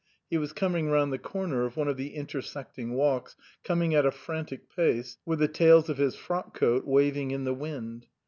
He was coming round the corner of one of the intersect ing walks, coming at a frantic pace, with the tails of his frock coat waving in the wind.